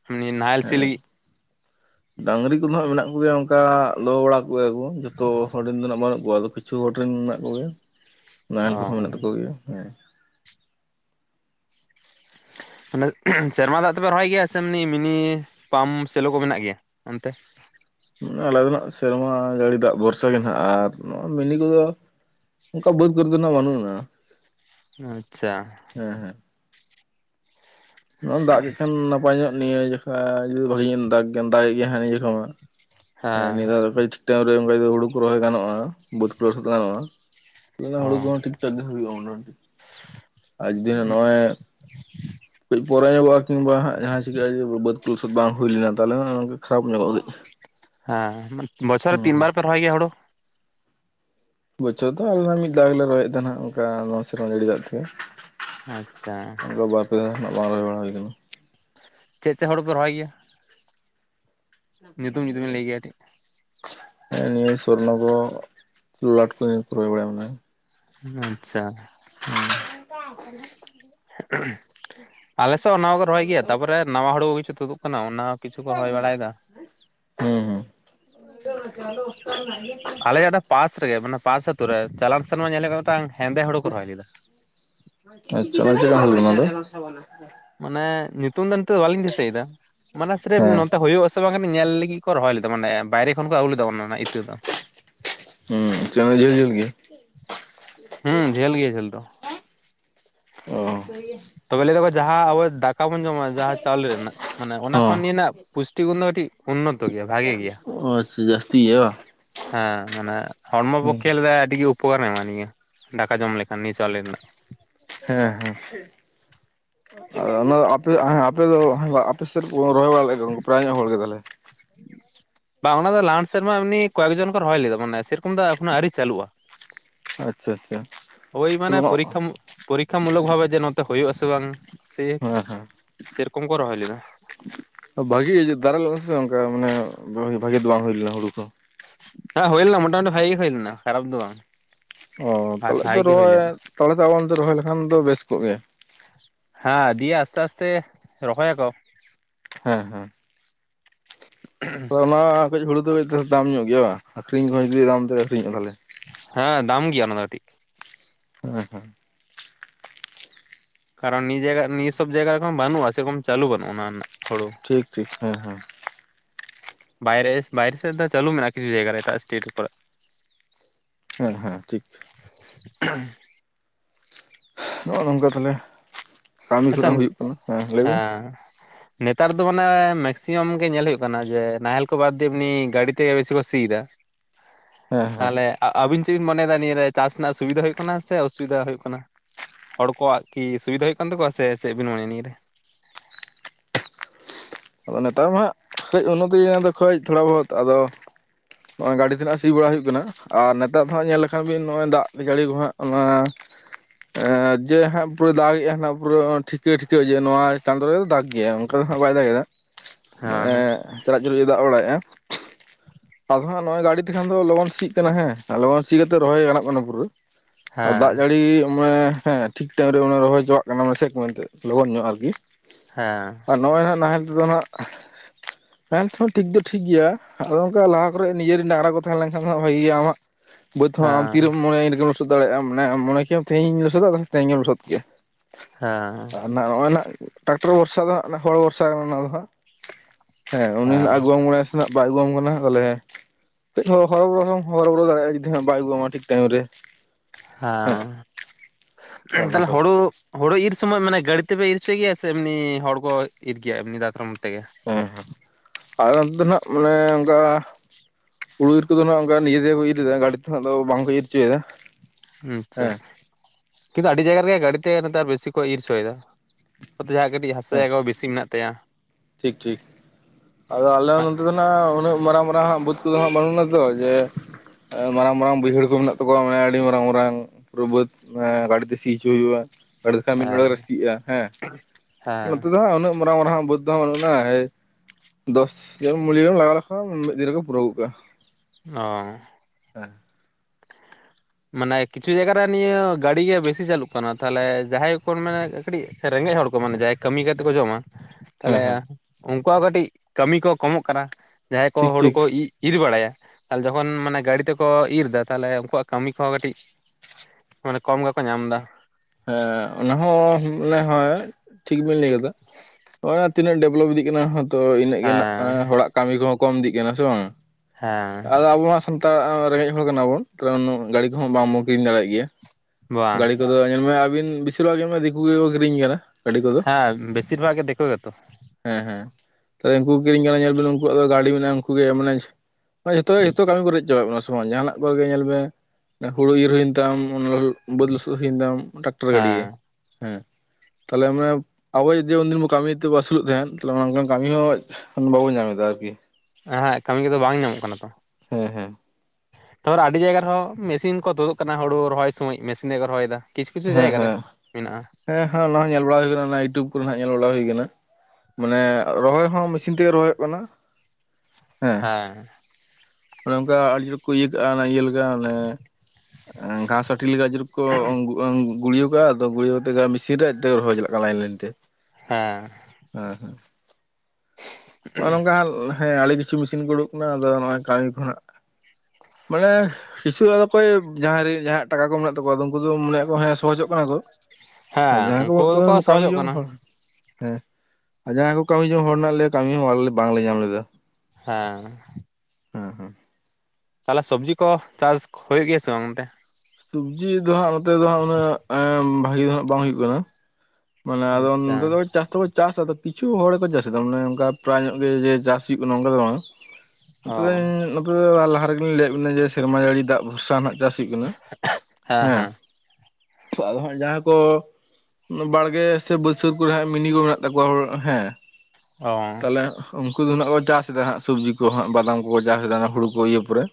ᱦᱮ ᱱᱟᱦᱮᱞ ᱥᱤ ᱦᱮᱸ ᱞᱟᱹᱜᱤᱫ ᱰᱟᱝᱨᱤ ᱠᱚᱫᱚ ᱦᱟᱜ ᱢᱮᱱᱟᱜ ᱠᱚ ᱜᱮᱭᱟ ᱚᱱᱠᱟ ᱫᱚᱦᱚ ᱵᱟᱲᱟ ᱠᱚᱜᱮᱭᱟ ᱠᱚ ᱡᱚᱛᱚ ᱦᱚᱲ ᱨᱮᱱ ᱫᱚ ᱦᱟᱸᱜ ᱵᱟᱹᱱᱩᱜ ᱠᱚᱣᱟ ᱟᱫᱚ ᱠᱤᱪᱷᱩ ᱦᱚᱲ ᱨᱮᱱ ᱢᱮᱱᱟᱜ ᱠᱚ ᱜᱮᱭᱟ᱾ ᱱᱟᱦᱮᱞ ᱚ ᱠᱚᱦᱚᱸ ᱢᱮᱱᱟᱜ ᱛᱟᱠᱚ ᱜᱮᱭᱟ ᱦᱮᱸ ᱢᱟᱱᱮ ᱥᱮᱨᱢᱟ ᱫᱟᱜ ᱛᱮᱯᱮ ᱨᱚᱦᱚᱭ ᱜᱮᱭᱟ ᱥᱮ ᱮᱢᱱᱤ ᱢᱤᱱᱤ ᱯᱟᱢᱯ ᱥᱮᱞᱚ ᱠᱚ ᱢᱮᱱᱟᱜ ᱜᱮᱭᱟ ᱚᱱᱛᱮ? ᱢᱟᱱᱮ ᱟᱞᱮᱫᱚ ᱱᱟᱜ ᱥᱮᱨᱢᱟ ᱡᱟᱹᱲᱤ ᱫᱟᱜ ᱵᱷᱚᱨᱥᱟ ᱜᱮ ᱱᱟᱜ ᱟᱨ ᱱᱚᱣᱟ ᱢᱤᱱᱤ ᱠᱚ ᱫᱚ ᱩᱱᱠᱟ ᱵᱟᱹᱫᱽ ᱠᱚᱨᱮ ᱫᱚ ᱱᱟᱦᱟᱜ ᱵᱟᱹᱱᱩ-ᱟ ᱱᱟ᱾ ᱟᱪᱪᱷᱟ ᱦᱮᱸ ᱦᱮᱸ ᱫᱟᱜ ᱠᱮᱫ ᱠᱷᱟᱱ ᱱᱟᱯᱟᱭ ᱧᱚᱜ ᱱᱤᱭᱟᱹ ᱡᱚᱠᱷᱟ ᱡᱩᱫᱤ ᱵᱷᱟᱜᱮ ᱫᱟᱜᱮᱜ ᱫᱟᱜ ᱜᱮᱭᱟ ᱱᱤᱭᱟᱹ ᱡᱚᱠᱷᱟ ᱦᱸᱟᱜ ᱦᱮᱸ ᱱᱤᱭᱟᱹ ᱫᱷᱟ ᱫᱚ ᱴᱷᱤᱠ ᱴᱟᱤᱢ ᱨᱮ ᱦᱩᱲᱩ ᱠᱚ ᱨᱚᱦᱚᱭ ᱜᱟᱱᱚᱜᱼᱟ ᱵᱟᱹᱫ ᱠᱚᱨᱮ ᱫᱟᱜ ᱜᱟᱱᱚᱜᱼᱟ᱾ ᱚ ᱦᱩᱲᱩ ᱠᱚᱦᱚᱸ ᱴᱷᱤᱠ ᱴᱷᱟᱠ ᱦᱩᱭᱩᱜ-ᱟ ᱢᱳᱴᱟᱢᱩᱴᱤ ᱟᱡ ᱫᱤ ᱱᱚ-ᱚᱭ ᱠᱟᱹᱡ ᱯᱚᱨᱮ ᱧᱚᱜᱼᱟ ᱠᱤᱝᱵᱟ ᱡᱟᱦᱟᱸ ᱪᱤᱠᱟᱹᱜ ᱵᱟᱹᱫᱽ ᱠᱚ ᱞᱚᱥᱚᱫ ᱵᱟᱝ ᱦᱩᱭ ᱞᱮᱱᱟ ᱛᱟᱦᱚᱞᱮ ᱠᱷᱟᱨᱟᱯ ᱧᱚᱜᱼᱟ ᱠᱟᱹᱡ᱾ ᱦᱮᱸ ᱵᱚᱪᱷᱚᱨᱮ ᱦᱩᱸ ᱛᱤᱱ ᱦᱩᱸ ᱵᱟᱨ ᱯᱮ ᱨᱚᱦᱚᱭ ᱜᱮᱭᱟ ᱦᱩᱲᱩ᱾ ᱵᱚᱪᱷᱚᱨ ᱫᱚ ᱟᱞᱮ ᱢᱤᱫ ᱫᱷᱟᱣ ᱜᱮᱞᱮ ᱨᱚᱦᱚᱭᱮᱫ ᱛᱟᱦᱮᱸᱱᱟ ᱚᱱᱠᱟ ᱱᱚᱣᱟ ᱥᱮᱨᱢᱟ ᱡᱟᱹᱲᱤ ᱫᱟᱜ ᱛᱮᱜᱮ᱾ ᱟᱪᱪᱷᱟ ᱛᱚᱵᱮ ᱦᱟᱸᱜ ᱵᱟᱝ ᱞᱟᱹᱭ ᱵᱟᱲᱟ ᱟᱠᱟᱱᱟ᱾ ᱪᱮᱫ ᱪᱮᱫ ᱦᱳᱲᱳ ᱯᱮ ᱨᱚᱦᱚᱭ ᱜᱮᱭᱟ? ᱧᱩᱛᱩᱢ ᱡᱩᱫᱤᱵᱤᱱ ᱞᱟᱹᱭ ᱠᱮᱭᱟ ᱠᱟᱹᱴᱤᱡ, ᱦᱮᱸ ᱱᱤᱭᱟᱹ ᱥᱚᱨᱱᱚ ᱠᱚ, ᱞᱚᱞᱟᱴ ᱠᱚ ᱱᱤᱭᱟᱹ ᱠᱚ ᱨᱚᱦᱚᱭ ᱵᱟᱲᱟᱭᱟ ᱢᱚᱱᱮ ᱦᱳᱭ᱾ ᱟᱪᱪᱷᱟ ᱮ ᱟᱞᱮᱥᱮᱫ ᱚᱱᱟ ᱠᱚᱜᱮ ᱨᱚᱦᱚᱭ ᱜᱮᱭᱟ ᱛᱟᱯᱚᱨᱮ ᱱᱟᱣᱟ ᱦᱩᱲᱩ ᱦᱩᱭᱛᱩ ᱛᱩᱫᱩᱜ ᱠᱟᱱᱟ ᱚᱱᱟ ᱠᱤᱪᱷᱩ ᱠᱚ ᱨᱚᱦᱚᱭ ᱵᱟᱲᱟᱭᱮᱫᱟ [unintelligible] ᱟᱞᱮᱭᱟᱜ ᱚᱱᱟ ᱯᱟᱥ ᱨᱮᱜᱮ ᱢᱟᱱᱮ ᱯᱟᱥ ᱟᱹᱛᱩᱳ ᱨᱮ ᱪᱟᱞᱟᱱ ᱥᱮᱨᱢᱟ ᱧᱮᱞ ᱞᱮᱫᱟ ᱢᱤᱫᱴᱟᱝ ᱦᱮᱸᱫᱮ ᱦᱳᱲᱩ ᱠᱚ ᱨᱚᱦᱚᱭ ᱞᱮᱫᱟ᱾ ᱟᱪᱪᱷᱟ ᱟᱞᱟᱢ ᱥᱟᱵᱟᱱᱟ ᱢᱟᱱᱮ ᱧᱩᱛᱩᱢ ᱫᱚ ᱱᱤᱛᱚᱜ ᱫᱚ ᱵᱟᱞᱤᱧ ᱫᱤᱥᱟᱹᱭᱮᱫᱟ ᱢᱟᱱ ᱥᱨᱮᱯ ᱱᱚᱛᱮ ᱦᱩᱭᱩᱜᱼᱟ ᱛᱚ ᱵᱟᱝ ᱧᱮᱞ ᱞᱟᱹᱜᱤᱫ ᱠᱚ ᱨᱚᱦᱚᱭ ᱞᱮᱫᱟ ᱢᱟᱱᱮ ᱵᱟᱭᱨᱮ ᱠᱷᱚᱱ ᱠᱚ ᱟᱹᱜᱩ ᱞᱮᱫᱟ ᱚᱱᱟ ᱨᱮᱱᱟᱜ ᱤᱛᱟᱹ ᱫᱚ᱾ ᱦᱩᱸ ᱪᱟᱣᱞᱮ ᱡᱷᱟᱹᱞ ᱡᱷᱟᱹᱞ ᱜᱮᱭᱟ? ᱦᱮᱸ ᱡᱷᱟᱹᱞ ᱜᱮᱭᱟ ᱡᱷᱟᱹᱞ ᱫᱚ᱾ ᱚ ᱛᱚᱵᱮ ᱞᱟᱹᱭ ᱫᱟᱠᱚ ᱡᱟᱦᱟᱸ ᱟᱵᱚ ᱫᱟᱠᱟ ᱵᱚᱱ ᱡᱚᱢᱟ ᱡᱟᱦᱟᱸ ᱪᱟᱣᱞᱮ ᱨᱮᱱᱟᱜ ᱢᱟᱱᱮ ᱚᱱᱟ ᱠᱷᱚᱱ ᱦᱚᱸ ᱱᱤᱭᱟᱹ ᱨᱮᱱᱟᱜ ᱯᱩᱥᱴᱤ ᱜᱩᱱ ᱫᱚ ᱠᱟᱹᱴᱤᱡ ᱩᱱᱱᱚᱛᱚ ᱜᱮᱭᱟ ᱵᱷᱟᱜᱮ ᱜᱮᱭᱟ᱾ ᱛᱮᱭᱟ ᱦᱮᱸ ᱢᱟᱱᱮ ᱦᱚᱲᱢᱚ ᱯᱚᱠᱮ ᱞᱮᱫᱟᱭ ᱹᱰᱤ ᱜᱮ ᱩᱯ ᱩᱯᱚᱠᱟᱨᱮ ᱮᱢᱟ ᱱᱤᱭᱟᱹ ᱫᱟᱠᱟ ᱡᱚᱢ ᱞᱮᱠᱷᱟᱱ ᱱᱤᱭᱟᱹ ᱪᱟᱣᱞᱮ ᱨᱮᱱᱟᱜ᱾ ᱦᱮᱸ ᱦᱮᱸ ᱚᱱᱟ ᱟᱯᱮ ᱟᱯᱮ ᱫᱚ ᱟᱯᱮ ᱥᱮᱫ ᱨᱚᱦᱚᱭ ᱵᱟᱲᱟᱜ ᱯᱨᱟᱭ ᱧᱚᱜ ᱦᱚᱲ ᱜᱮ ᱛᱟᱞᱮ᱾ ᱵᱟᱝ ᱚᱱᱟ ᱫᱚ ᱞᱟᱦᱟᱱ ᱥᱮᱨᱢᱟ ᱮᱢᱱᱤ ᱠᱚᱭᱮᱠ ᱡᱚᱱ ᱠᱚ ᱨᱚᱦᱚᱭ ᱞᱮᱫᱟ ᱢᱟᱱᱮ ᱥᱮᱨᱚᱠᱚᱢ ᱫᱚ ᱮᱠᱚᱱᱚ ᱟᱹᱣᱨᱤ ᱪᱟᱹᱟᱞᱩᱜᱼᱟ᱾ ᱟᱪᱪᱷᱟ ᱟᱪᱪᱷᱟ ᱦᱳᱭ ᱢᱟᱱᱮ ᱯᱚᱨᱤᱠ ᱯᱚᱨᱤᱠᱠᱷᱟ ᱢᱩᱞᱚᱠ ᱵᱷᱟᱵᱮ ᱡᱮ ᱱᱚᱛᱮ ᱦᱩᱭᱩᱜ ᱟᱥᱮ ᱵᱟᱝ ᱥᱮ ᱦᱮᱸ ᱦᱮᱸ ᱥᱮᱨᱚᱠᱚᱢ ᱠᱚ ᱨᱚᱦᱚᱭ ᱞᱮᱫᱟ ᱵᱷᱟᱹᱜᱤ ᱤᱭᱟᱹ ᱫᱟᱨᱮ ᱞᱮᱱᱟᱥᱮ ᱚᱱᱠᱟ ᱢᱟᱱᱮ ᱵᱷᱟᱹᱜᱤ ᱫᱚ ᱵᱟᱝ ᱦᱩᱭ ᱞᱮᱱᱟ ᱦᱩᱲᱩ ᱠᱚ ᱦᱮᱸ ᱦᱩᱭ ᱞᱮᱱᱟ ᱢᱚᱴᱟ ᱢᱩᱴᱤ ᱵᱷᱟᱹᱜᱤ ᱜᱮ ᱦᱩᱭ ᱞᱮᱱᱟ ᱠᱷᱟᱨᱟᱯ ᱫᱚ ᱵᱟᱝ᱾ ᱚᱸ ᱛᱟᱦᱞᱮ ᱛᱚ ᱵᱷᱟᱜᱤ ᱜᱮ ᱦᱩᱭ ᱨᱚᱦᱚᱭ ᱞᱮᱱᱟ ᱛᱟᱦᱞᱮ ᱛᱚ ᱟᱵᱚ ᱨᱚᱦᱚᱭ ᱞᱮᱠᱷᱟᱱ ᱫᱚ ᱵᱮᱥ ᱠᱚᱜ ᱜᱮᱭᱟ᱾ ᱦᱮᱸ ᱫᱤᱭᱮ ᱟᱥᱛᱮ ᱟᱥᱛᱮ ᱨᱚᱦᱚᱭ ᱟᱠᱚ᱾ ᱦᱮᱸ ᱦᱮᱸ ᱛᱚ ᱚᱱᱟ ᱠᱟᱹᱡᱽ ᱦᱩᱲᱩ ᱫᱚ ᱠᱟᱹᱡᱽ ᱫᱟᱢ ᱧᱚᱜ ᱜᱮᱭᱟ ᱵᱟᱝ ᱟᱹᱠᱷᱨᱤᱧ ᱠᱚᱦᱚ ᱡᱩᱫᱤ ᱫᱟᱢᱮ ᱟᱹᱠᱷᱨᱤᱧᱚᱜᱼᱟ ᱛᱟᱦᱞᱮ᱾ ᱦᱮᱸ ᱫᱟᱢ ᱜᱮᱭᱟ ᱚᱱᱟ ᱫᱚ ᱠᱟᱹᱴᱤᱡᱽ᱾ ᱦᱮᱸ ᱦᱮᱸ ᱠᱟᱨᱚᱱ ᱱᱤᱭᱟᱹ ᱡᱟᱭᱜᱟ ᱱᱤᱭᱟᱹ ᱥᱚᱵ ᱡᱟᱭᱜᱟ ᱨᱮ ᱵᱟᱹᱱᱩᱜᱼᱟ ᱥᱮᱨᱚᱢ ᱪᱟᱹᱞᱩᱜᱼᱟ ᱚᱱᱟ ᱨᱮᱱᱟᱜ ᱦᱳᱲᱳ᱾ ᱴᱷᱤᱠ ᱴᱷᱤᱠ ᱦᱮᱸ ᱦᱮᱸ ᱵᱟᱭᱨᱮ ᱵᱟᱭᱨᱮ ᱥᱮᱫ ᱫᱚ ᱪᱟᱹᱞᱩ ᱢᱮᱱᱟᱜᱼᱟ ᱠᱤᱪᱷᱩ ᱡᱟᱭᱜᱟ ᱨᱮ ᱮᱴᱟᱜ ᱮᱴᱮᱴ ᱠᱚᱨᱮ᱾ ᱦᱮᱸ ᱦᱮᱸ ᱴᱷᱤᱠ [unintelligible] ᱱᱚᱜᱼᱚᱭ ᱱᱚᱝᱠᱟ ᱛᱟᱦᱞᱮ ᱠᱟᱹᱢᱤ ᱟᱪᱪᱷᱟ ᱠᱷᱚᱱᱟᱜ ᱦᱩᱭᱩᱜ ᱠᱟᱱᱟ ᱦᱮᱸ ᱞᱟᱹᱭᱵᱤᱱ? [unintelligible] ᱱᱮᱛᱟᱨ ᱫᱚ ᱢᱟᱱᱮ ᱢᱮᱠᱥᱤᱢᱟᱢ ᱜᱮ ᱧᱮᱞ ᱦᱩᱭᱩᱜ ᱠᱟᱱᱟ ᱡᱮ ᱱᱟᱦᱮᱞ ᱠᱚ ᱵᱟᱫ ᱫᱮ ᱮᱢᱱᱤ ᱜᱟᱹᱰᱤ ᱛᱮᱜᱮ ᱵᱮᱥᱤ ᱠᱚ ᱥᱤᱭᱮᱫᱟ᱾ ᱦᱮᱸ ᱦᱮᱸ ᱛᱟᱦᱞᱮ᱾ ᱟᱹᱵᱤᱱ ᱪᱮᱫ ᱵᱤᱱ ᱢᱚᱱᱭᱮᱫᱟ ᱱᱤᱭᱟᱹ ᱨᱮ ᱪᱟᱥ ᱨᱮᱱᱟᱜ ᱥᱩᱵᱤᱫᱟ ᱦᱩᱭᱩᱜ ᱠᱟᱱᱟ ᱥᱮ ᱚᱥᱩᱵᱤᱫᱟ ᱦᱩᱭᱩᱜ ᱠᱟᱱᱟ᱾ ᱦᱚᱲ ᱠᱚᱣᱟᱜ ᱠᱤ ᱥᱩᱵᱤᱫᱟ ᱦᱩᱭᱩᱜ ᱠᱟᱱ ᱛᱟᱠᱚᱣᱟ ᱥᱮ ᱪᱮᱫ ᱵᱤᱱ ᱢᱚᱱᱮ ᱱᱤᱭᱟᱹ ᱨᱮ ᱟᱫᱚ ᱱᱮᱛᱟᱨ ᱢᱟ ᱦᱟᱸᱜ ᱠᱟᱹᱡᱽ ᱩᱱᱱᱚᱛᱤ ᱭᱟᱠᱟᱱ ᱫᱚ ᱠᱟᱹᱡᱽ ᱛᱷᱚᱲᱟ ᱵᱚᱦᱩᱛ ᱟᱫᱚ ᱱᱚᱜᱼᱚᱭ ᱜᱟᱹᱰᱤ ᱛᱮᱱᱟᱜ ᱥᱤ ᱵᱟᱲᱟ ᱦᱩᱭᱩᱜ ᱠᱟᱱᱟ᱾ ᱟᱨ ᱱᱮᱛᱟᱨ ᱫᱚ ᱦᱟᱸᱜ ᱧᱮᱞ ᱞᱮᱠᱷᱟᱱ ᱵᱤᱱ ᱱᱚᱜᱼᱚᱭ ᱫᱟᱜ ᱡᱟᱹᱲᱤ ᱠᱚ ᱦᱟᱸᱜ ᱚᱱᱟ᱾ ᱡᱮ ᱦᱟᱸᱜ ᱯᱩᱨᱟᱹ ᱫᱟᱜ ᱮᱜᱼᱟ ᱦᱟᱸᱜ ᱯᱩᱨᱟᱹ ᱴᱷᱤᱠᱟᱹ ᱴᱷᱤᱠᱟᱹ ᱡᱮ ᱱᱚᱣᱟ ᱪᱟᱸᱫᱚ ᱨᱮᱫᱚ ᱫᱟᱜ ᱜᱮᱭᱟᱭ᱾ ᱛᱚᱵᱮ ᱦᱟᱸᱜ ᱵᱟᱭ ᱫᱟᱜᱽ ᱮᱫᱟ᱾ ᱢᱟᱱᱮ ᱦᱮᱸ ᱪᱟᱨᱟᱡ ᱪᱩᱨᱩᱡ ᱮ ᱫᱟᱜᱽ ᱵᱟᱲᱟᱭᱮᱫᱼᱟ ᱟᱫᱚ ᱦᱟᱸᱜ ᱱᱚᱸᱜᱼᱚᱭ ᱜᱟᱹᱰᱤ ᱮᱠᱷᱟᱱ ᱫᱚ ᱞᱚᱜᱚᱱ ᱥᱤᱜ ᱠᱟᱱᱟ ᱦᱮᱸ ᱟᱨ ᱞᱚᱜᱚᱱ ᱥᱤ ᱠᱟᱛᱮ ᱨᱚᱦᱚᱭ ᱜᱟᱱᱚᱜ ᱠᱟᱱᱟ ᱯᱩᱨᱟᱹ ᱫᱟᱜᱽ ᱦᱮᱸ ᱡᱟᱹᱲᱤ ᱢᱟᱱᱮ ᱦᱮᱸ ᱴᱷᱤᱠ ᱴᱟᱭᱤᱢ ᱨᱮ ᱨᱚᱦᱚᱭ ᱪᱟᱵᱟᱜᱽ ᱠᱟᱱᱟ ᱪᱮᱠ ᱢᱮᱱᱛᱮ ᱞᱚᱜᱚᱱ ᱧᱚᱜ ᱟᱨᱠᱤ ᱦᱮᱸ ᱟᱨ ᱱᱚᱜᱼᱚᱭ ᱱᱟᱸᱜ ᱱᱟᱦᱮᱞ ᱛᱮᱫᱚ ᱱᱟᱸᱜ ᱱᱟᱦᱮᱞ ᱛᱮᱦᱚᱸ ᱴᱷᱤᱠ ᱫᱚ ᱴᱷᱤᱠ ᱜᱮᱭᱟ ᱟᱫᱚ ᱚᱱᱠᱟ ᱞᱟᱦᱟ ᱠᱚᱨᱮᱜ ᱱᱤᱡᱮ ᱨᱮᱱ ᱰᱟᱝᱨᱟ ᱠᱚ ᱛᱟᱦᱮᱸ ᱞᱮᱱᱠᱷᱟᱱ ᱫᱚ ᱵᱷᱟᱜᱮ ᱜᱮᱭᱟ ᱟᱢᱟᱜ [inaudible] ᱵᱟᱹᱫᱷ ᱦᱚᱸ ᱟᱢ ᱦᱮᱸ ᱛᱤᱨᱮᱢ ᱢᱚᱱᱮᱭᱟ ᱤᱱ ᱨᱮᱜᱮᱢ ᱞᱚᱥᱚᱫ ᱫᱟᱲᱮᱭᱟᱜ ᱢᱟᱱᱮ ᱢᱚᱱᱮ ᱠᱮ ᱟᱢ ᱛᱮᱦᱤᱧ ᱞᱚᱥᱚᱫᱟ ᱛᱮᱦᱮᱧ ᱜᱮᱢ ᱞᱚᱥᱚᱫ ᱠᱮᱭᱟ ᱦᱮᱸ ᱱᱚᱜᱼᱚᱭ ᱱᱟᱸᱜ ᱴᱟᱠᱴᱚᱨ ᱵᱷᱚᱨᱥᱟ ᱫᱚ ᱦᱟᱸᱜ ᱦᱚᱲ ᱵᱷᱚᱨᱥᱟ ᱚᱱᱟ ᱫᱚ ᱦᱟᱸᱜ ᱦᱮᱸ ᱩᱱᱤ ᱦᱟᱸᱜ ᱟᱹᱜᱩᱣᱟᱢ ᱠᱟᱱᱟᱭ ᱥᱮᱱᱟᱜ ᱵᱟᱭ ᱟᱹᱜᱩᱣᱟᱢ ᱠᱟᱱᱟ ᱛᱟᱦᱞᱮ᱾ ᱠᱟᱹᱡᱽ ᱦᱚᱨᱚᱵᱚᱨᱚ ᱦᱚᱢ ᱦᱚᱨᱚᱵᱚᱨᱚ ᱫᱟᱲᱮᱭᱟᱜᱼᱟ ᱡᱚᱫᱤ ᱦᱟᱸᱜ ᱵᱟᱭ ᱟᱹᱜᱩ ᱟᱢ ᱴᱷᱤᱠ ᱴᱟᱭᱤᱢ ᱨᱮ ᱦᱮᱸ ᱦᱮᱸ ᱱᱚᱜᱼᱚ ᱛᱟᱦᱚᱞᱮ ᱱᱚᱝᱠᱟ ᱦᱩᱲᱩ ᱦᱩᱲᱩ ᱤᱨ ᱥᱚᱢᱚᱭ ᱢᱟᱱᱮ ᱜᱟᱹᱲᱤ ᱛᱮᱯᱮ ᱤᱨ ᱦᱚᱪᱚᱭ ᱜᱮᱭᱟ ᱥᱮ ᱮᱢᱱᱤ ᱦᱚᱲ ᱠᱚ ᱤᱨ ᱜᱮᱭᱟ ᱮᱢᱱᱤ ᱫᱟᱛᱨᱚᱢ ᱛᱮᱜᱮ᱾ ᱦᱮᱸ ᱦᱮᱸ ᱟᱨ ᱚᱱᱛᱮ ᱱᱟᱸᱜ ᱢᱟᱱᱮ ᱚᱱᱠᱟ ᱦᱩᱲᱩ ᱤᱨ ᱠᱚᱫᱚ ᱱᱟᱸᱜ ᱚᱱᱠᱟ ᱱᱤᱡᱮ ᱛᱮᱜᱮ ᱠᱚ ᱤᱨ ᱮᱫᱟ ᱜᱟᱹᱰᱤ ᱛᱮᱦᱟᱜ ᱫᱚ ᱵᱟᱝ ᱠᱚ ᱤᱨ ᱦᱚᱪᱚᱭᱮᱫᱟ᱾ ᱟᱪᱪᱷᱟ ᱦᱮᱸ ᱠᱤᱱᱛᱩ ᱟᱹᱰᱤ ᱡᱟᱭᱜᱟ ᱨᱮᱜᱮ ᱜᱟᱹᱰᱤ ᱛᱮ ᱱᱮᱛᱟᱨ ᱵᱮᱥᱤ ᱠᱚ ᱤᱨ ᱪᱚᱭᱮᱫᱟ ᱱᱚᱛᱮ ᱫᱚ ᱦᱟᱸᱜ ᱠᱟᱹᱴᱤᱡ ᱦᱟᱥᱟ ᱦᱮᱸ ᱡᱟᱭᱜᱟ ᱵᱤᱥ ᱵᱤᱥᱤ ᱢᱮᱱᱟᱜ ᱛᱟᱭᱟ ᱴᱷᱤᱠ ᱴᱷᱤᱠ ᱟᱫᱚ ᱟᱞᱮ ᱱᱚᱛᱮ ᱫᱚ ᱱᱟ ᱩᱱᱟᱹᱜ ᱢᱟᱨᱟᱝ ᱢᱟᱨᱟᱝ ᱦᱟᱸᱜ ᱵᱟᱹᱫᱷ ᱠᱚᱫᱚ ᱦᱟᱸᱜ ᱵᱟᱹᱱᱩᱜ ᱟᱛᱚ ᱡᱮ ᱢᱟᱨᱟᱝ ᱢᱟᱨᱟᱝ ᱵᱟᱹᱭᱦᱟᱹᱲ ᱠᱚ ᱢᱮᱱᱟᱜ ᱛᱟᱠᱚᱣᱟ ᱢᱟᱱᱮ ᱟᱹᱰᱤ ᱢᱟᱨᱟᱝ ᱢᱟᱨᱟᱝ ᱯᱩᱨᱟᱹ ᱵᱟᱹᱫᱷ ᱜᱟᱹᱲᱤ ᱛᱮ ᱥᱤ ᱦᱚᱪᱚ ᱦᱩᱭᱩᱜᱼᱟ᱾ ᱜᱟᱹᱰᱤ ᱛᱮᱠᱷᱟᱱ ᱢᱤᱫ ᱱᱚᱲᱮᱜ ᱨᱮ ᱦᱮᱸ ᱥᱤᱜᱼᱟ ᱦᱮᱸ ᱱᱚᱛᱮ ᱦᱮᱸ ᱫᱚ ᱦᱟᱜ ᱩᱱᱟᱹᱜ ᱢᱟᱨᱟᱝ ᱢᱟᱨᱟ ᱵᱟᱹᱫᱷ [unintelligible] ᱞᱟᱜᱟᱣ ᱞᱮᱠᱷᱟᱱ ᱢᱤᱫ ᱫᱤᱱ ᱨᱮᱠᱚ ᱯᱩᱨᱟᱹᱣ ᱠᱟᱜᱼᱟ᱾ ᱚ ᱦᱮᱸ [inaudible] ᱢᱟᱱᱮ ᱠᱤᱪᱷᱩ ᱡᱟᱭᱜᱟ ᱨᱮ ᱱᱤᱭᱟᱹ ᱜᱟᱹᱰᱤᱜᱮ ᱵᱮᱥᱤ ᱪᱟᱹᱞᱩᱜ ᱠᱟᱱᱟ ᱛᱟᱦᱚᱞᱮ ᱡᱟᱦᱟᱸᱭ ᱠᱷᱚᱱ ᱢᱟᱱᱮ ᱠᱟᱹᱴᱤᱡ ᱨᱮᱸᱜᱮᱡ ᱦᱚᱲ ᱠᱚ ᱢᱟᱱᱮ ᱡᱟᱦᱟᱸᱭ ᱠᱟᱹᱢᱤ ᱠᱟᱛᱮᱫ ᱠᱚ ᱡᱚᱢᱟ [inaudible] ᱛᱟᱦᱚᱞᱮ ᱚᱱᱠᱟ ᱠᱟᱹᱴᱤᱡ ᱠᱟᱹᱢᱤ ᱠᱚ ᱠᱚᱢᱚᱜ ᱠᱟᱱᱟ ᱡᱟᱦᱟᱸᱭ ᱠᱚ ᱴᱷᱤᱠ ᱦᱳᱲᱩ ᱴᱷᱤᱠ ᱠᱚ ᱤ ᱤᱨ ᱵᱟᱲᱟᱭᱟ ᱛᱟᱦᱚᱞᱮ ᱡᱚᱠᱷᱚᱱ ᱢᱟᱱᱮ ᱜᱟᱰᱤ ᱛᱮᱠᱚ ᱤᱨ ᱫᱟ ᱛᱟᱦᱚᱞᱮ ᱩᱱᱠᱩᱣᱟᱜ ᱠᱟᱹᱢᱤ ᱠᱚᱦᱚᱸ ᱠᱟᱹᱴᱤᱡ ᱢᱟᱱᱮ ᱠᱚᱢ ᱜᱮᱠᱚ ᱧᱟᱢ ᱫᱟ᱾ ᱦᱮᱸ ᱚᱱᱟ ᱦᱚᱸ ᱢᱟᱱᱮ ᱦᱳᱭ ᱴᱷᱤᱠ ᱵᱤᱱ ᱞᱟᱹᱭ ᱠᱮᱫᱟ ᱛᱤᱱᱟᱹᱜ ᱰᱮᱵᱷᱞᱚᱯ ᱤᱫᱤᱜ ᱠᱟᱱᱟᱛᱚ ᱤᱱᱟᱹᱜ ᱜᱮ ᱱᱟᱜ ᱦᱮᱸ ᱦᱚᱲᱟᱜ ᱠᱟᱹᱢᱤ ᱠᱚᱦᱚᱸ ᱠᱚᱢ ᱤᱫᱤᱜ ᱠᱟᱱᱟ ᱥᱮ ᱵᱟᱝᱼᱟ ᱦᱮᱸ ᱟᱫᱚ ᱟᱵᱚ ᱥᱟᱱᱛᱟᱲ ᱟ ᱨᱮᱸᱜᱮᱡ ᱦᱚᱲ ᱠᱟᱱᱟ ᱵᱚᱱ ᱜᱟᱹᱲᱤ ᱠᱚᱦᱚᱸ ᱵᱟᱵᱚᱱ ᱠᱤᱨᱤᱧ ᱫᱟᱲᱮᱭᱟᱜ ᱜᱮᱭᱟ ᱵᱟᱝ ᱜᱟᱹᱲᱤ ᱠᱚ ᱧᱮᱞ ᱢᱮ ᱟᱵᱤᱱ ᱵᱮᱥᱤᱨ ᱵᱷᱟᱜᱽ ᱡᱮᱢᱚᱱ ᱫᱤᱠᱩ ᱜᱮᱠᱚ ᱠᱤᱨᱤᱧ ᱠᱟᱫᱟ᱾ ᱦᱮᱸ ᱵᱮᱥᱤᱨ ᱵᱷᱟᱜᱽ ᱜᱮ ᱫᱮᱠᱩ ᱜᱮᱛᱚ᱾ ᱦᱮᱸ ᱦᱮᱸ ᱛᱟᱦᱚᱞᱮ ᱩᱱᱠᱩ ᱜᱮ ᱠᱤᱨᱤᱧ ᱠᱟᱱᱟ ᱧᱮᱞ ᱵᱮᱱ ᱩᱱᱠᱩᱣᱟᱜ ᱫᱚ ᱜᱟᱹᱰᱤ ᱢᱮᱱᱟᱜᱼᱟ ᱩᱱᱠᱩᱩ ᱜᱮ ᱢᱟᱱᱮ ᱡᱚᱛᱚ ᱜᱮ ᱡᱚᱛᱚ ᱠᱟᱹᱢᱤ ᱠᱚ ᱨᱮᱡ ᱪᱟᱵᱟᱭᱮᱫ ᱵᱚᱱᱟ ᱥᱚᱢᱟᱱ ᱡᱟᱦᱟᱱᱟᱜ ᱠᱚᱜᱮ ᱧᱮᱞ ᱢᱮ ᱦᱩᱲᱩ ᱤᱨ ᱦᱩᱭᱮᱱ ᱛᱟᱢ ᱚᱱᱟ ᱵᱟᱹᱫᱽ ᱞᱟᱹᱥᱚᱫ ᱦᱩᱭᱮᱱ ᱛᱟᱢ ᱴᱟᱠᱴᱚᱨ ᱜᱟᱹᱰᱤ ᱜᱮ ᱦᱮᱸ ᱦᱮᱸ ᱛᱟᱦᱚᱞᱮ ᱢᱟᱱᱮ ᱟᱵᱚ ᱡᱩᱫᱤ ᱩᱱᱫᱤᱱ ᱠᱟᱹᱢᱤ ᱛᱮᱵᱚ ᱟᱹᱥᱩᱞᱚᱜ ᱛᱟᱦᱮᱱ ᱛᱟᱦᱞᱮ ᱚᱱᱠᱟᱱ ᱠᱟᱹᱢᱤ ᱦᱚᱸ ᱵᱟᱵᱚᱱ ᱧᱟᱢᱮᱫᱟ ᱟᱨᱠᱤ ᱦᱮᱸ ᱦᱟᱜ ᱠᱟᱹᱢᱤ ᱠᱚᱫᱚ ᱵᱟᱝ ᱧᱟᱢᱚᱜ ᱠᱟᱱᱟ ᱛᱚ ᱦᱮᱸ ᱦᱮᱸ ᱛᱚᱨ ᱟᱹᱰᱤ ᱡᱟᱭᱜᱟ ᱨᱮᱦᱚᱸ ᱢᱮᱥᱤᱱ ᱠᱚ ᱛᱩᱫᱩᱜ ᱠᱟᱱᱟ ᱦᱩᱲᱩ ᱨᱚᱦᱚᱭ ᱥᱚᱢᱚᱭ ᱢᱮᱥᱤᱱᱮ ᱠᱚ ᱨᱚᱦᱚᱭᱮᱫᱟ ᱠᱤᱪᱷᱩ ᱠᱤᱪᱷᱩ ᱦᱮᱸ ᱡᱟᱭᱜᱟ ᱨᱮ ᱦᱮᱸ ᱢᱮᱱᱟᱜᱼᱟ ᱦᱮᱸ ᱦᱮᱸ ᱚᱱᱟ ᱦᱚᱸ ᱧᱮᱞ ᱵᱟᱲᱟ ᱦᱩᱭ ᱟᱠᱟᱱᱟ ᱚᱱᱟ ᱤᱭᱩᱴᱩᱵ ᱠᱚᱨᱮᱱᱟᱜ ᱧᱮᱞ ᱵᱟᱲᱟ ᱦᱩᱭ ᱟᱠᱟᱱᱟ ᱢᱟᱱᱮ ᱨᱚᱦᱚᱭ ᱦᱚᱸ ᱢᱮᱥᱤᱱ ᱛᱮᱜᱮ ᱨᱚᱦᱚᱭᱚᱜ ᱠᱟᱱᱟ ᱦᱮᱸ ᱦᱮᱸ ᱚᱱᱮ ᱚᱱᱠᱟ ᱟᱹᱰᱤ ᱡᱳᱨ ᱠᱚ ᱤᱭᱟᱹ ᱠᱟᱜᱼᱟ ᱤᱭᱟᱹ ᱞᱮᱠᱟ ᱚᱱᱮ ᱜᱷᱟᱥ ᱛᱤᱞ ᱞᱮᱠᱟ ᱡᱩᱫᱤ ᱠᱚ ᱜᱩᱲᱟᱹᱣ ᱠᱟᱜᱼᱟ ᱟᱫᱚ ᱜᱩᱲᱟᱹᱣ ᱠᱟᱛᱮ ᱢᱮᱥᱤᱱ ᱨᱮ ᱨᱚᱦᱚᱭ ᱪᱟᱞᱟᱜᱼᱟ ᱞᱟᱭᱤᱱ ᱞᱟᱭᱤᱱ ᱛᱮ ᱦᱮᱸ ᱦᱮᱸ ᱦᱮᱸ ᱱᱚᱜᱼᱚᱭ ᱱᱚᱝᱠᱟ ᱦᱮᱸ ᱟᱹᱰᱤ ᱠᱤᱪᱷᱩ ᱢᱮᱥᱤᱱ ᱠᱚ ᱩᱰᱩᱠ ᱠᱟᱱᱟ ᱟᱫᱚ ᱱᱚᱜᱼᱚᱭ ᱠᱟᱹᱢᱤ ᱠᱷᱚᱱᱟᱜ ᱢᱟᱱᱮ ᱠᱤᱪᱷᱩ ᱟᱫᱚ ᱚᱠᱚᱭ ᱡᱟᱦᱟᱸᱭ ᱡᱟᱦᱟᱸᱭᱟᱜ ᱴᱟᱠᱟ ᱠᱚ ᱢᱮᱱᱟᱜ ᱛᱟᱠᱚᱣᱟ ᱩᱱᱠᱩ ᱫᱚ ᱢᱟᱱᱮ ᱥᱚᱦᱚᱡᱚᱜ ᱠᱟᱱᱟ ᱠᱚ ᱦᱮᱸ ᱡᱟᱦᱟᱸᱭ ᱠᱚ ᱩᱱᱠᱩ ᱵᱟᱱᱩᱜ ᱛᱟᱠᱳ ᱫᱚᱠᱚ ᱠᱟᱹᱢᱤ ᱥᱚᱦᱚᱡᱚᱜ ᱡᱚᱝ ᱠᱟᱱᱟ ᱦᱚᱲ ᱦᱮᱸ ᱟᱨ ᱡᱟᱦᱟᱸᱭ ᱠᱚ ᱠᱟᱹᱢᱤ ᱡᱚᱝ ᱦᱚᱲ ᱨᱮᱱᱟᱜ ᱞᱮᱭᱟ ᱠᱟᱹᱢᱤ ᱦᱚᱸ ᱟᱞᱮ ᱵᱟᱝᱞᱮ ᱧᱟᱢ ᱞᱮᱫᱟ᱾ ᱦᱮᱸ ᱦᱮᱸ ᱦᱮᱸ ᱛᱟᱦᱚᱞᱮ ᱥᱚᱵᱽᱡᱤ ᱠᱚ ᱪᱟᱥ ᱦᱩᱭᱩᱜ ᱜᱮᱭᱟ ᱥᱮ ᱵᱟᱝ ᱚᱱᱛᱮ ᱥᱚᱵᱡᱤ ᱫᱚ ᱦᱟᱜ ᱱᱚᱛᱮ ᱫᱚ ᱦᱟᱜ ᱩᱱᱟᱹᱜ ᱵᱷᱟᱜᱤ ᱫᱚ ᱦᱟᱜ ᱵᱟᱝ ᱦᱩᱭᱩᱜ ᱠᱟᱱᱟ᱾ ᱢᱟᱱᱮ ᱟᱫᱚ ᱱᱚᱛᱮ ᱟᱪᱪᱷᱟ ᱫᱚ ᱪᱟᱥ ᱫᱚᱠᱚ ᱪᱟᱥᱟ ᱠᱤᱪᱷᱩ ᱦᱚᱲ ᱜᱮᱠᱚ ᱪᱟᱥ ᱮᱫᱟ ᱢᱟᱱᱮ ᱚᱱᱠᱟ ᱯᱨᱟᱭ ᱧᱚᱜ ᱜᱮ ᱡᱮ ᱪᱟᱥ ᱦᱩᱭᱩᱜ ᱠᱟᱱᱟ ᱚᱱᱠᱟ ᱫᱚ ᱵᱟᱝ ᱚ ᱱᱚᱛᱮᱧ ᱱᱚᱛᱮ ᱫᱚ ᱞᱟᱦᱟ ᱨᱮᱜᱮᱞᱤᱧ ᱞᱟᱹᱭᱟᱫ ᱵᱤᱱᱟ ᱡᱮ ᱥᱮᱨᱢᱟ ᱡᱟᱹᱲᱤ ᱫᱟᱜ ᱵᱷᱚᱨᱥᱟᱱᱟᱜ ᱪᱟᱹᱥ ᱦᱩᱭᱩᱜ ᱠᱟᱱᱟ ᱦᱮᱸ ᱟᱫᱚ ᱦᱟᱜ ᱡᱟᱦᱟᱸ ᱠᱚ ᱵᱟᱲᱜᱮ ᱜᱮ ᱥᱮ ᱵᱟᱹᱭᱥᱟᱹᱛ ᱠᱚᱨᱮ ᱢᱤᱱᱤ ᱠᱚ ᱢᱮᱱᱟᱜ ᱛᱟᱠᱚᱣᱟ ᱦᱚᱲ ᱦᱮᱸ ᱚ ᱛᱟᱦᱚᱞᱮ ᱩᱱᱠᱩ ᱫᱚ ᱦᱟᱜ ᱠᱚ ᱪᱟᱥᱮᱫᱟ ᱦᱟᱜ ᱥᱚᱵᱽᱡᱤ ᱠᱚ ᱦᱟᱜ ᱵᱟᱫᱟᱢ ᱠᱚᱠᱚ ᱪᱟᱥᱮᱫᱟ ᱦᱩᱲᱩ ᱠᱚ ᱤᱭᱟᱹ ᱯᱚᱨᱮ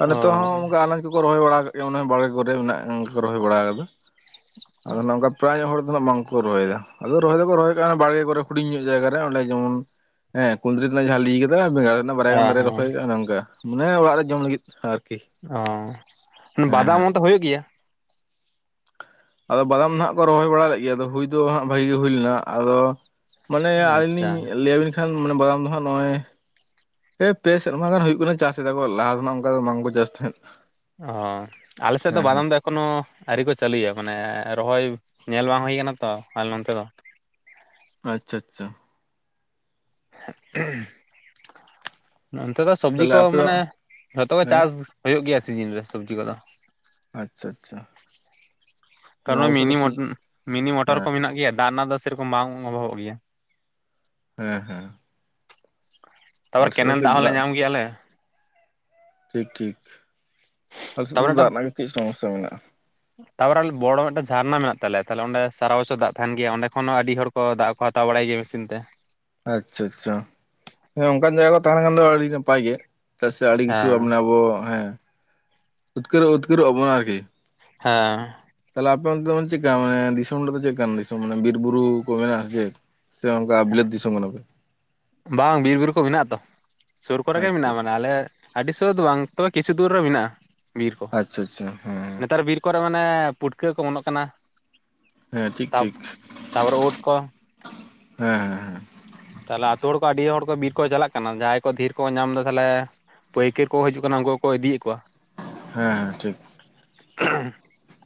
ᱟᱨ ᱱᱤᱛᱚᱜ ᱦᱚᱸ ᱚᱱᱠᱟ ᱟᱱᱟᱡ ᱠᱚᱠᱚ ᱨᱚᱦᱚᱭ ᱵᱟᱲᱟ ᱠᱟᱜ ᱜᱮᱭᱟ ᱚᱱᱮ ᱵᱟᱲᱮ ᱠᱚᱨᱮ ᱢᱮᱱᱟᱜ ᱠᱚ ᱨᱚᱦᱚᱭ ᱵᱟᱲᱟ ᱠᱟᱫᱟ ᱟᱫᱚ ᱱᱚᱝᱠᱟ ᱯᱨᱟᱭᱧᱚᱜ ᱦᱚᱲ ᱫᱚ ᱵᱟᱝᱠᱚ ᱨᱚᱦᱚᱭᱮᱫᱟ ᱟᱫᱚ ᱨᱚᱦᱚᱭ ᱫᱚᱠᱚ ᱨᱚᱦᱚᱭ ᱠᱟᱱᱟ ᱵᱟᱲᱜᱮ ᱠᱚᱨᱮ ᱦᱩᱰᱤᱧ ᱧᱚᱜ ᱡᱟᱭᱜᱟ ᱨᱮ ᱚᱸᱰᱮ ᱡᱮᱢᱚᱱ ᱦᱮᱸ ᱠᱩᱫᱨᱤ ᱨᱮᱱᱟᱜ ᱡᱟᱦᱟᱸ ᱟᱹᱭᱤ ᱠᱮᱫᱟ ᱵᱮᱸᱜᱟᱲ ᱨᱮᱱᱟᱜ ᱵᱟᱨᱭᱟ ᱚ ᱜᱟᱱ ᱦᱮᱸ ᱫᱟᱨᱮ ᱦᱮᱸ ᱨᱚᱦᱚᱭ ᱟᱠᱟᱜ ᱱᱚᱝᱠᱟ ᱢᱟᱱᱮ ᱚᱲᱟᱜ ᱨᱮ ᱡᱚᱢ ᱞᱟᱹᱜᱤᱫ ᱟᱨᱠᱤ ᱚ ᱦᱮᱸ ᱦᱮᱸ ᱵᱟᱫᱟᱢ ᱢᱚᱛᱚ ᱦᱩᱭᱩᱜ ᱜᱮᱭᱟ ᱟᱫᱚ ᱵᱟᱫᱟᱢ ᱫᱚ ᱦᱟᱸᱜ ᱠᱚ ᱨᱚᱦᱚᱭ ᱵᱟᱲᱟ ᱞᱮᱫ ᱜᱮᱭᱟ, ᱟᱫᱚ ᱦᱩᱭ ᱫᱚ ᱦᱟᱜ ᱵᱷᱟᱜᱤ ᱜᱮ ᱦᱩᱭ ᱞᱮᱱᱟ, ᱟᱫᱚ ᱢᱟᱱᱮ ᱟᱹᱞᱤᱧ ᱟᱪᱪᱷᱟ ᱞᱤᱧ ᱞᱟᱹᱭᱟᱵᱤᱱ ᱠᱷᱟᱱ ᱢᱟᱱᱮ ᱵᱟᱫᱟᱢ ᱫᱚ ᱦᱟᱸᱜ ᱱᱚᱜᱼᱚᱭ ᱯᱮ ᱥᱮᱨᱢᱟ ᱜᱟᱱ ᱦᱩᱭᱩᱜ ᱠᱟᱱᱟ ᱪᱟᱥᱮᱫᱟᱠᱚ ᱞᱟᱦᱟ ᱫᱚ ᱱᱟᱜ ᱚᱱᱠᱟ ᱫᱚ ᱵᱟᱝᱠᱚ ᱪᱟᱥ ᱛᱟᱦᱮᱸᱫ ᱚ ᱟᱞᱮ ᱥᱮᱫ ᱦᱮᱸ ᱫᱚ ᱦᱮᱸ ᱵᱟᱫᱟᱢ ᱫᱚ ᱮ ᱮᱠᱷᱚᱱᱳ ᱟᱹᱨᱤ ᱠᱚ ᱪᱟᱹᱞᱩᱭᱟ ᱢᱟᱱᱮ ᱨᱚᱦᱚᱭ ᱧᱮᱞ ᱵᱟᱝ ᱦᱩᱭ ᱟᱠᱟᱱᱟ ᱛᱚ ᱟᱨ ᱟᱞᱮᱱᱚᱱᱛᱮ ᱫᱚ ᱟᱪᱪᱷᱟ ᱟᱪᱪᱷᱟ ᱚᱱᱛᱮ ᱫᱚ ᱥᱚᱵᱡᱤ ᱛᱟᱦᱚᱞᱮ ᱠᱚ ᱟᱯᱮ ᱫᱚ ᱢᱟᱱᱮ ᱡᱷᱚᱛᱚ ᱠᱚ ᱦᱮᱸ ᱪᱟᱥ ᱦᱩᱭᱩᱜ ᱜᱮᱭᱟ ᱥᱤᱡᱤᱱ ᱨᱮ ᱥᱚᱵᱽᱡᱤ ᱠᱚᱫᱚ ᱟᱪᱪᱷᱟ ᱟᱪᱪᱷᱟ ᱠᱟᱨᱚᱱ ᱟᱞᱮ ᱥᱮᱫ ᱢᱤᱱᱤ ᱫᱚ ᱥᱤ ᱢᱤᱱᱤ ᱢᱚᱴᱚᱨ ᱦᱮᱸ ᱠᱚ ᱢᱮᱱᱟᱜ ᱜᱮᱭᱟ ᱫᱟᱜ ᱨᱮᱱᱟᱜ ᱫᱚ ᱥᱮᱨᱚᱠᱚᱢ ᱵᱟᱝ ᱚᱵᱷᱟᱚᱵᱚᱜ ᱜᱮᱭᱟ᱾ ᱦᱮᱸ ᱦᱮᱸ ᱛᱟᱯᱚᱨ ᱟᱞᱮ ᱥᱮᱫ ᱫᱚ ᱠᱮᱱᱮᱞ ᱠᱟᱹᱡ ᱫᱟᱜ ᱦᱚᱸᱞᱮ ᱧᱟᱢ ᱜᱮᱭᱟᱞᱮ ᱴᱷᱤᱠ ᱴᱷᱤᱠ ᱟᱞᱮ ᱥᱮᱫ ᱛᱟᱯᱚᱨᱮ ᱫᱟᱜ ᱢᱤᱫᱴᱟᱝ ᱨᱮᱱᱟᱜ ᱜᱮ ᱠᱟᱹᱡ ᱥᱚᱢᱚᱥᱥᱟ ᱢᱮᱱᱟᱜᱼᱟ᱾ ᱛᱟᱯᱚᱨᱮ ᱵᱚᱲᱚ ᱢᱤᱫᱴᱮᱱ ᱡᱷᱟᱨᱱᱟ ᱢᱮᱱᱟᱜ ᱛᱟᱞᱮᱭᱟ ᱛᱟᱦᱞᱮ ᱚᱸᱰᱮ ᱥᱟᱨᱟ ᱵᱚᱪᱷᱚᱨ ᱫᱟᱜ ᱛᱟᱦᱮᱱ ᱜᱮᱭᱟ ᱚᱸᱰᱮ ᱠᱷᱚᱱ ᱦᱚᱸ ᱟᱹᱰᱤ ᱦᱚᱲ ᱠᱚ ᱫᱟᱜ ᱠᱚ ᱦᱟᱛᱟᱣ ᱵᱟᱲᱟᱭ ᱜᱮᱭᱟ ᱢᱮᱥᱤᱱ ᱛᱮ ᱟᱪᱪᱷᱟ ᱟᱪᱪᱷᱟ ᱦᱮ ᱚᱱᱠᱟᱱ ᱡᱟᱭᱜᱟ ᱠᱚ ᱛᱟᱦᱮᱱ ᱠᱷᱟᱱ ᱫᱚ ᱟᱹᱰᱤ ᱱᱟᱯᱟᱭ ᱜᱮ ᱛᱟ ᱥᱮ ᱟᱹᱰᱤ ᱠᱤᱪᱷᱩ ᱦᱮᱸ ᱟᱵᱚ ᱦᱮᱸ ᱩᱫᱽᱠᱟᱹᱨᱚᱜ ᱩᱫᱽᱠᱟᱹᱨᱚᱜ ᱟᱵᱚᱱᱟ ᱟᱨᱠᱤ ᱦᱮᱸ ᱛᱟᱦᱚᱞᱮ ᱟᱯᱮᱚᱱᱛᱮ ᱪᱮᱫᱞᱮᱠᱟ ᱢᱟᱱᱮ ᱫᱤᱥᱚᱢ ᱨᱮ ᱫᱚ ᱪᱮᱫᱞᱮᱠᱟᱱ ᱠᱟᱱᱟ ᱫᱤᱥᱚᱢ ᱢᱟᱱᱮ ᱵᱤᱨ ᱵᱩᱨᱩ? ᱢᱮ ᱡᱮ ᱥᱮ ᱚᱱᱠᱟ ᱵᱤᱞᱟᱛ ᱫᱤᱥᱚᱢ ᱠᱟᱱᱟ ᱯᱮ᱾ ᱵᱟᱝ ᱵᱤᱨᱵᱩᱨᱩ ᱠᱚ ᱢᱮᱱᱟᱜ ᱛᱚ ᱥᱩᱨ ᱠᱚᱨᱮ ᱜᱮ ᱟᱪᱪᱷᱟ ᱢᱮᱱᱟᱜᱼᱟ ᱢᱟᱱᱮ᱾ ᱟᱞᱮ ᱟᱹᱰᱤ ᱥᱳᱨ ᱫᱚ ᱵᱟᱝ ᱛᱮ ᱠᱤᱪᱷᱩ ᱫᱩᱨ ᱨᱮ ᱢᱮᱱᱟᱜᱼᱟ᱾ ᱵᱤᱨ ᱠᱚ ᱟᱪᱪᱷᱟ ᱟᱪᱪᱷᱟ ᱦᱮᱸ ᱱᱮᱛᱟᱨ ᱵᱤᱨ ᱠᱚᱨᱮ ᱢᱟᱱᱮ ᱯᱩᱴᱠᱟᱹ ᱠᱚ ᱚᱢᱚᱱᱚᱜ ᱠᱟᱱᱟ᱾ ᱦᱮᱸ ᱴᱷᱤᱠ ᱛᱟᱯ ᱴᱷᱤᱠ ᱛᱟᱯᱚᱨᱮ ᱩᱫ ᱠᱚ ᱦᱮᱸ ᱦᱮᱸ ᱦᱮᱸ ᱛᱟᱦᱞᱮ ᱟᱹᱛᱩ ᱦᱚᱲ ᱠᱚ ᱟᱹᱰᱤ ᱦᱚᱲ ᱠᱚ ᱵᱤᱨ ᱠᱚ ᱪᱟᱞᱟᱜ ᱠᱟᱱᱟ ᱡᱟᱦᱟᱸᱭ ᱠᱚ ᱫᱷᱮᱨ ᱠᱚ ᱧᱟᱢ ᱮᱫᱟ ᱛᱟᱦᱞᱮ᱾ ᱯᱟᱹᱭᱠᱟᱹᱨ ᱠᱚ ᱦᱤᱡᱩᱜ ᱠᱟᱱᱟ ᱩᱱᱠᱩ ᱠᱚ ᱤᱫᱤᱭᱮᱫ ᱠᱚᱣᱟ᱾ ᱦᱮᱸ ᱴᱷᱤᱠ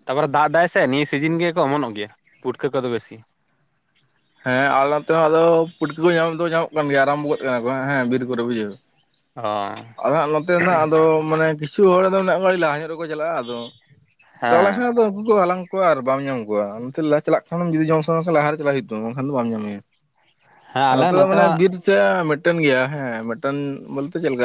ᱛᱟᱯᱚᱨᱮ ᱫᱟᱜ ᱫᱟᱭ ᱥᱮ ᱱᱤᱭᱟᱹ ᱥᱤᱡᱤᱱ ᱜᱮᱠᱚ ᱚᱢᱚᱱᱚᱜ ᱜᱮᱭᱟ ᱯᱩᱴᱠᱟᱹ ᱠᱚᱫᱚ ᱵᱮᱥᱤ ᱦᱮᱸ ᱟᱨ ᱱᱚᱛᱮ ᱦᱚᱸ ᱟᱫᱚ ᱯᱩᱴᱠᱟᱹ ᱠᱚ ᱧᱟᱢ ᱫᱚ ᱧᱟᱢᱚᱜ ᱠᱟᱱ ᱜᱮᱭᱟ ᱟᱨᱟᱢᱵᱷᱚ ᱜᱚᱫ ᱠᱟᱱᱟ ᱠᱚ ᱦᱮᱸ ᱵᱤᱨ ᱠᱚᱨᱮ ᱵᱩᱡᱷᱟᱹᱣ ᱚ ᱟᱫᱚ ᱦᱟᱜ ᱱᱚᱛᱮ ᱫᱚ ᱟᱫᱚ ᱢᱟᱱᱮ ᱠᱤᱪᱷᱩ ᱦᱚᱲ ᱫᱚ ᱩᱜ ᱜᱟᱹᱲᱤᱡ ᱞᱟᱦᱟ ᱧᱚᱜ ᱨᱮᱠᱚ ᱪᱟᱞᱟᱜᱼᱟ ᱟᱫᱚ ᱪᱟᱠᱟ ᱦᱮᱸ ᱞᱮᱱᱠᱷᱟᱱ ᱟᱫᱚ ᱩᱱᱠᱩ ᱠᱚ ᱦᱟᱞᱟᱝ ᱟᱨ ᱵᱟᱢ ᱧᱟᱢ ᱠᱚᱣᱟ ᱱᱚᱛᱮ ᱞᱟᱦᱟ ᱪᱟᱞᱟᱜ ᱠᱷᱟᱱ ᱡᱩᱫᱤ ᱡᱚᱢ ᱥᱟᱱᱟ ᱠᱷᱟᱱ ᱞᱟᱦᱟᱨ ᱨᱮ ᱪᱟᱞᱟᱜ ᱦᱩᱭᱩᱜ ᱛᱟᱢᱟ ᱵᱟᱠᱷᱟᱱ ᱫᱚ ᱵᱟᱢ ᱧᱟᱢᱮᱭᱟ᱾ ᱦᱮᱸ ᱟᱞᱮ ᱱᱚᱛᱮ ᱫᱚ ᱢᱟᱱᱮ ᱦᱚᱸ ᱵᱤᱨ ᱥᱮ ᱢᱤᱫᱴᱮᱱ ᱜᱮᱭᱟ ᱦᱮᱸ ᱢᱮᱴᱮᱱ ᱵᱚᱞᱛᱮ ᱪᱮᱫᱞᱮ ᱞᱮᱠᱟ?